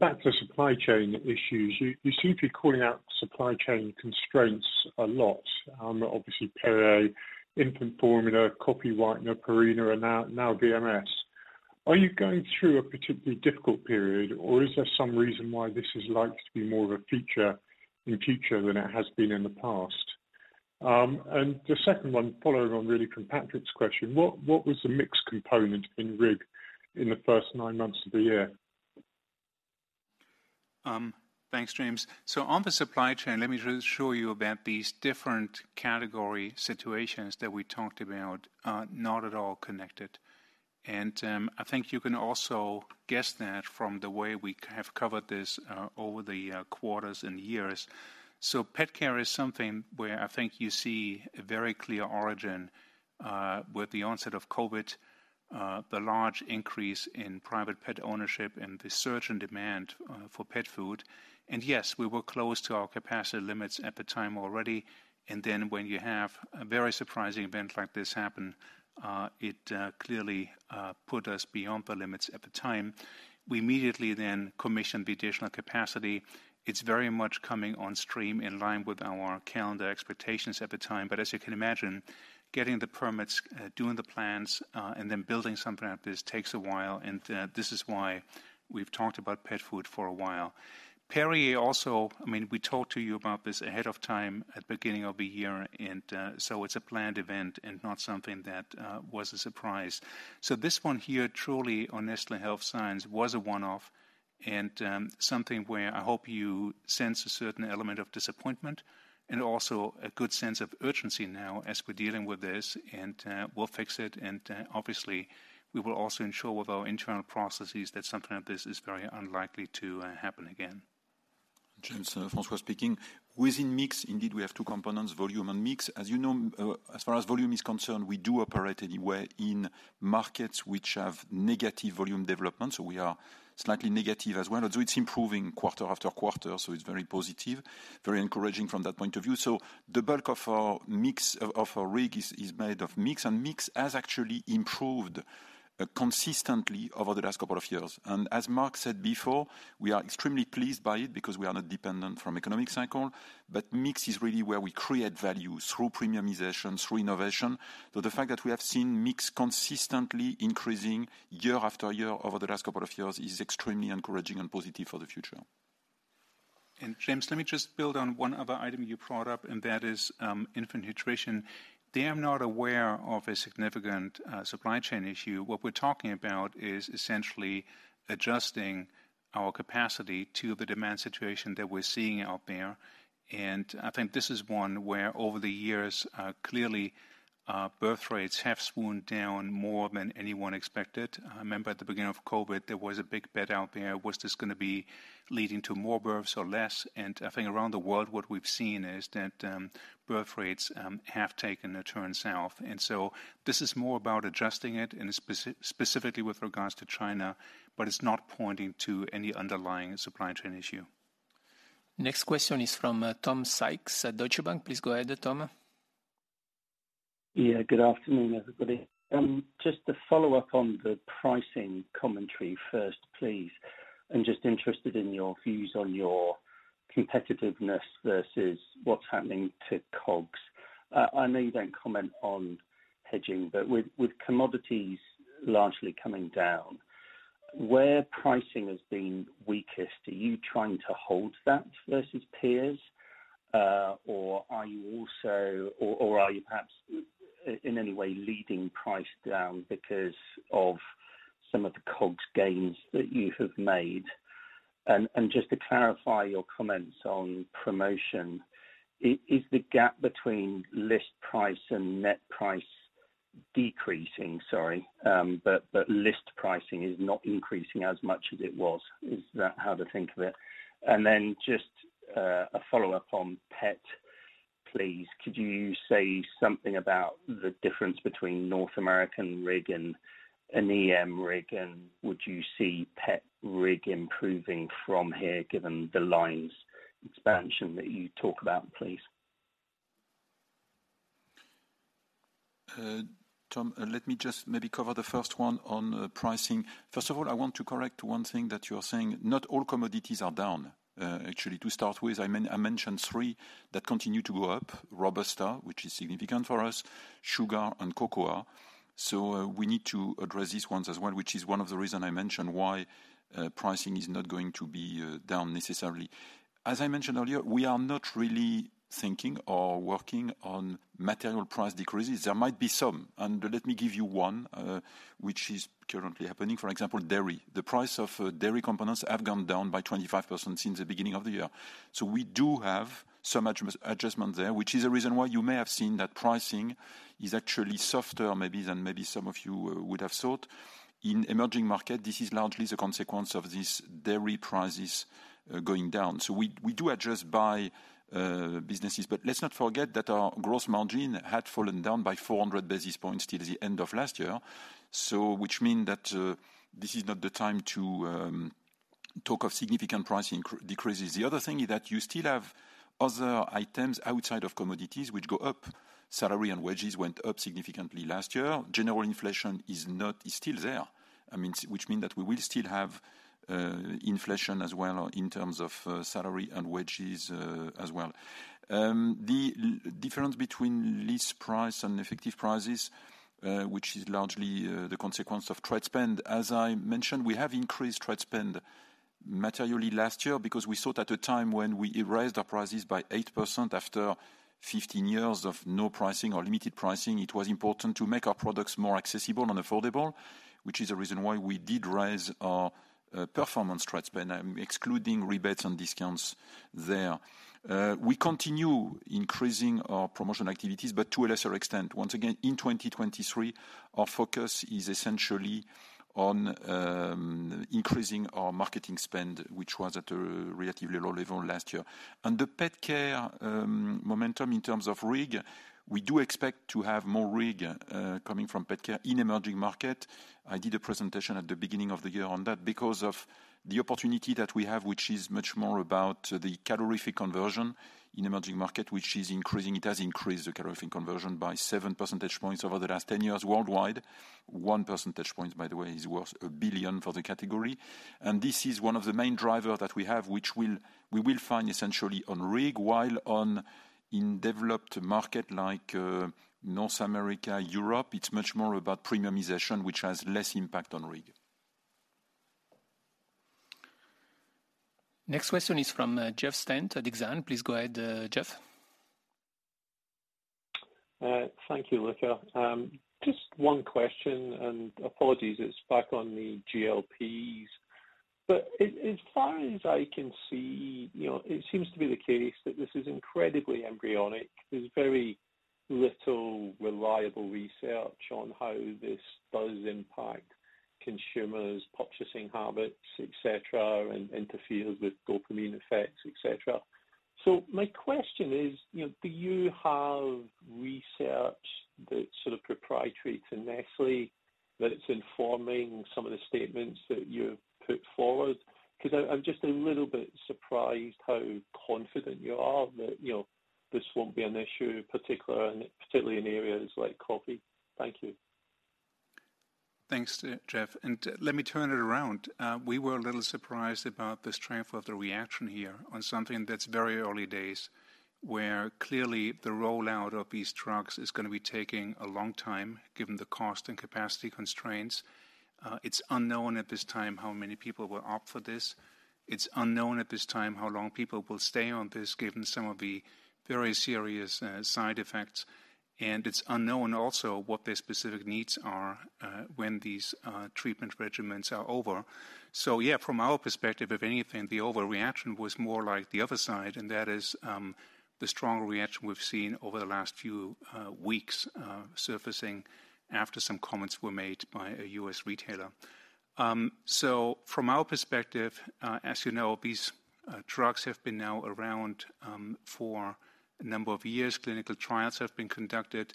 Back to the supply chain issues. You seem to be calling out supply chain constraints a lot, obviously, Perrier, infant formula, Coffee-mate, Purina, and now VMS. Are you going through a particularly difficult period, or is there some reason why this is likely to be more of a feature in the future than it has been in the past? And the second one, following on really from Patrick's question, what was the mix component in RIG in the first nine months of the year? Thanks, James. So on the supply chain, let me just assure you about these different category situations that we talked about are not at all connected. And, I think you can also guess that from the way we have covered this, over the quarters and years. So pet care is something where I think you see a very clear origin, with the onset of COVID, the large increase in private pet ownership and the surge in demand, for pet food. And yes, we were close to our capacity limits at the time already, and then when you have a very surprising event like this happen, it clearly put us beyond the limits at the time. We immediately then commissioned the additional capacity. It's very much coming on stream in line with our calendar expectations at the time, but as you can imagine, getting the permits, doing the plans, and then building something like this takes a while, and this is why we've talked about pet food for a while. Perrier also, I mean, we talked to you about this ahead of time at beginning of the year, and so it's a planned event and not something that was a surprise. So this one here, truly, on Nestlé Health Science, was a one-off and something where I hope you sense a certain element of disappointment and also a good sense of urgency now as we're dealing with this. And we'll fix it, and obviously, we will also ensure with our internal processes that something like this is very unlikely to happen again. James, François speaking. Within mix, indeed, we have two components, volume and mix. As you know, as far as volume is concerned, we do operate anywhere in markets which have negative volume development, so we are slightly negative as well. Although it's improving quarter after quarter, so it's very positive, very encouraging from that point of view. So the bulk of our mix, of, of our RIG is, is made of mix, and mix has actually improved consistently over the last couple of years. And as Mark said before, we are extremely pleased by it because we are not dependent from economic cycle, but mix is really where we create value through premiumization, through innovation. So the fact that we have seen mix consistently increasing year after year over the last couple of years is extremely encouraging and positive for the future. And James, let me just build on one other item you brought up, and that is infant nutrition. They are not aware of a significant supply chain issue. What we're talking about is essentially adjusting our capacity to the demand situation that we're seeing out there, and I think this is one where over the years, clearly, birth rates have swooned down more than anyone expected. I remember at the beginning of COVID, there was a big bet out there, was this gonna be leading to more births or less? And I think around the world, what we've seen is that birth rates have taken a turn south. And so this is more about adjusting it, and specifically with regards to China, but it's not pointing to any underlying supply chain issue. Next question is from Tom Sykes at Deutsche Bank. Please go ahead, Tom. Yeah, good afternoon, everybody. Just to follow up on the pricing commentary first, please. I'm just interested in your views on your competitiveness versus what's happening to COGS. I know you don't comment on hedging, but with commodities largely coming down, where pricing has been weakest, are you trying to hold that versus peers? Or are you also or are you perhaps in any way leading price down because of some of the COGS gains that you have made? And just to clarify your comments on promotion, is the gap between list price and net price decreasing, sorry? But list pricing is not increasing as much as it was. Is that how to think of it? And then just a follow-up on pet, please. Could you say something about the difference between North American RIG and an EM RIG, and would you see pet RIG improving from here, given the lines expansion that you talk about, please? Tom, let me just maybe cover the first one on pricing. First of all, I want to correct one thing that you're saying. Not all commodities are down, actually, to start with. I mentioned three that continue to go up, robusta, which is significant for us, sugar and cocoa. So, we need to address these ones as well, which is one of the reason I mentioned why pricing is not going to be down necessarily. As I mentioned earlier, we are not really thinking or working on material price decreases. There might be some, and let me give you one, which is currently happening, for example, dairy. The price of dairy components have gone down by 25% since the beginning of the year. So we do have some adjustment there, which is a reason why you may have seen that pricing is actually softer, maybe than, maybe some of you would have thought. In emerging market, this is largely the consequence of this dairy prices going down. So we do adjust by businesses, but let's not forget that our gross margin had fallen down by 400 basis points till the end of last year. So which mean that this is not the time to talk of significant pricing decreases. The other thing is that you still have other items outside of commodities which go up. Salary and wages went up significantly last year, general inflation is still there. I mean, which mean that we will still have inflation as well, or in terms of salary and wages as well. The difference between list price and effective prices, which is largely the consequence of trade spend, as I mentioned, we have increased trade spend materially last year because we thought at the time when we raised our prices by 8% after 15 years of no pricing or limited pricing, it was important to make our products more accessible and affordable, which is a reason why we did raise our performance trade spend. I'm excluding rebates and discounts there. We continue increasing our promotion activities, but to a lesser extent. Once again, in 2023, our focus is essentially on increasing our marketing spend, which was at a relatively low level last year. The pet care momentum in terms of RIG, we do expect to have more RIG coming from pet care in emerging market. I did a presentation at the beginning of the year on that because of the opportunity that we have, which is much more about the calorific conversion in emerging market, which is increasing. It has increased the calorific conversion by 7 percentage points over the last 10 years worldwide. One percentage points, by the way, is worth 1 billion for the category. And this is one of the main driver that we have, which we will find essentially on RIG, while on in developed market like, North America, Europe, it's much more about premiumization, which has less impact on RIG. Next question is from, Jeff Stent at Exane. Please go ahead, Jeff. Thank you, Luca. Just one question and apologies, it's back on the GLPs. But as far as I can see, you know, it seems to be the case that this is incredibly embryonic. There's very little reliable research on how this does impact consumers' purchasing habits, et cetera, and interferes with dopamine effects, et cetera. So my question is, you know, do you have research that's sort of proprietary to Nestlé, that it's informing some of the statements that you've put forward? 'Cause I'm just a little bit surprised how confident you are that, you know, this won't be an issue, particularly in areas like coffee. Thank you. Thanks, Jeff, and let me turn it around. We were a little surprised about the strength of the reaction here on something that's very early days, where clearly the rollout of these drugs is gonna be taking a long time, given the cost and capacity constraints. It's unknown at this time how many people will opt for this. It's unknown at this time how long people will stay on this, given some of the very serious side effects, and it's unknown also what their specific needs are when these treatment regimens are over. So yeah, from our perspective, if anything, the overreaction was more like the other side, and that is the strong reaction we've seen over the last few weeks surfacing after some comments were made by a US retailer. So from our perspective, as you know, these drugs have been now around for a number of years. Clinical trials have been conducted.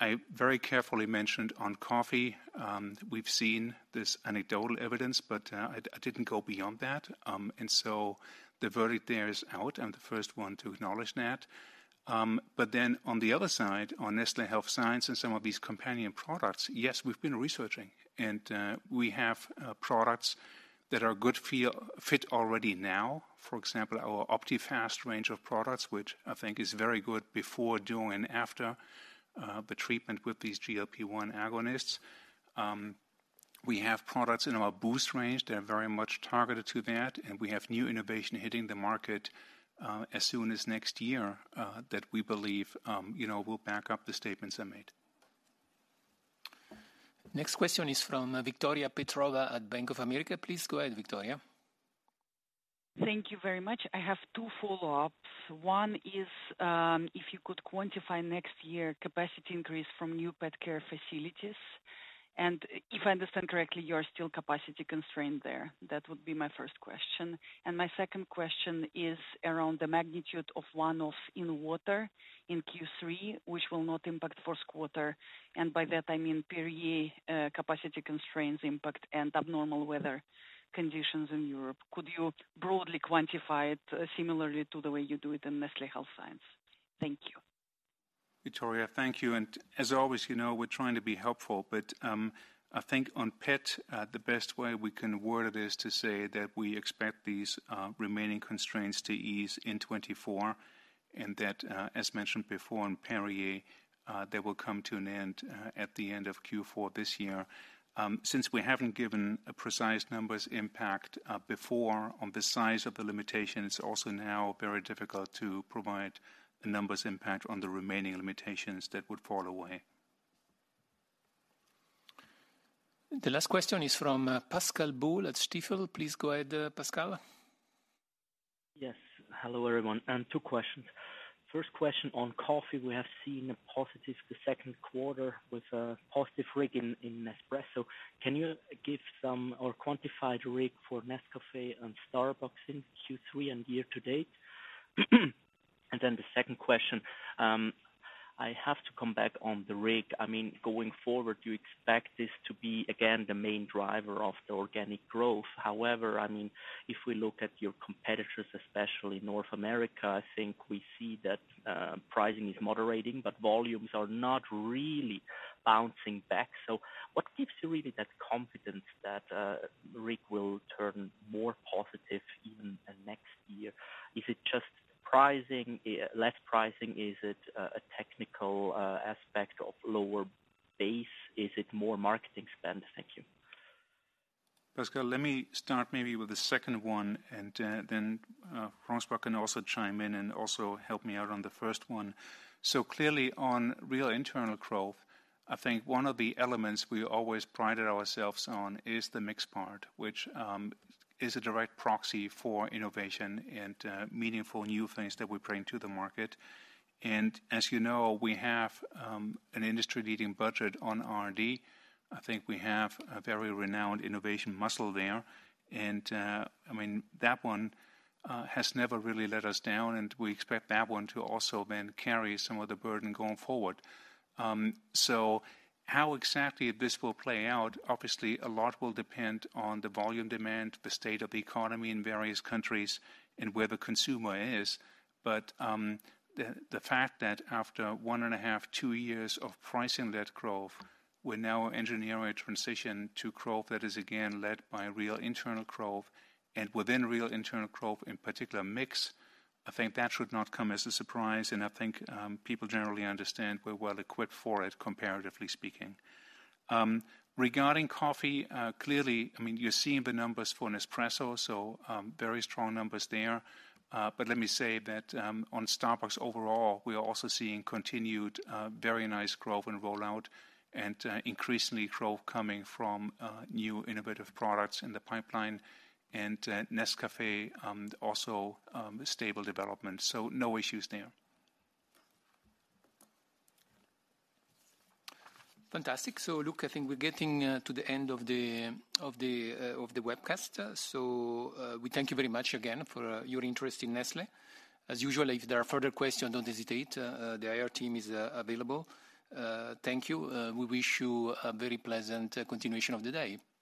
I very carefully mentioned on coffee, we've seen this anecdotal evidence, but I didn't go beyond that. And so the verdict there is out, I'm the first one to acknowledge that. But then on the other side, on Nestlé Health Science and some of these companion products, yes, we've been researching, and we have products that are a good fit already now. For example, our Optifast range of products, which I think is very good before, during, and after the treatment with these GLP-1 agonists. We have products in our Boost range that are very much targeted to that, and we have new innovation hitting the market, as soon as next year, that we believe, you know, will back up the statements I made. Next question is from Victoria Petrova at Bank of America. Please go ahead, Victoria. Thank you very much. I have two follow-ups. One is, if you could quantify next year capacity increase from new pet care facilities, and if I understand correctly, you are still capacity constrained there. That would be my first question. And my second question is around the magnitude of one-off in water in Q3, which will not impact first quarter, and by that I mean Perrier, capacity constraints impact and abnormal weather conditions in Europe. Could you broadly quantify it similarly to the way you do it in Nestlé Health Science? Thank you. Victoria, thank you, and as always, you know, we're trying to be helpful, but, I think on pet, the best way we can word it is to say that we expect these, remaining constraints to ease in 2024, and that, as mentioned before on Perrier, they will come to an end, at the end of Q4 this year. Since we haven't given a precise numbers impact, before on the size of the limitation, it's also now very difficult to provide a numbers impact on the remaining limitations that would fall away. The last question is from, Pascal Boll at Stifel. Please go ahead, Pascal. Yes, hello, everyone. Two questions. First question on coffee, we have seen a positive in the second quarter with a positive RIG in Nespresso. Can you give some or quantify the RIG for Nescafé and Starbucks in Q3 and year to date? And then the second question, I have to come back on the RIG. I mean, going forward, you expect this to be, again, the main driver of the organic growth. However, I mean, if we look at your competitors, especially in North America, I think we see that pricing is moderating, but volumes are not really bouncing back. So what gives you really that confidence that RIG will turn more positive even in next year? Is it just pricing, less pricing? Is it a technical aspect of lower base? Is it more marketing spend? Thank you. Pascal, let me start maybe with the second one, and then François can also chime in and also help me out on the first one. So clearly on real internal growth, I think one of the elements we always prided ourselves on is the mix part, which is a direct proxy for innovation and meaningful new things that we bring to the market. And as you know, we have an industry-leading budget on R&D. I think we have a very renowned innovation muscle there, and I mean, that one has never really let us down, and we expect that one to also then carry some of the burden going forward. So how exactly this will play out? Obviously, a lot will depend on the volume demand, the state of the economy in various countries, and where the consumer is. But the fact that after one and a half, two years of pricing that growth, we're now engineering a transition to growth that is again led by real internal growth, and within real internal growth, in particular, mix, I think that should not come as a surprise, and I think people generally understand we're well equipped for it, comparatively speaking. Regarding coffee, clearly, I mean, you're seeing the numbers for Nespresso, so very strong numbers there. But let me say that on Starbucks overall, we are also seeing continued very nice growth and rollout and increasingly growth coming from new innovative products in the pipeline. Nescafé also stable development, so no issues there. Fantastic. So look, I think we're getting to the end of the webcast. So, we thank you very much again for your interest in Nestlé. As usual, if there are further questions, don't hesitate, the IR team is available. Thank you. We wish you a very pleasant continuation of the day. Thank you, everyone.